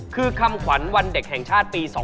คือคำขวัญวันเด็กแห่งชาติปี๒๕๖